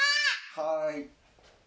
はい。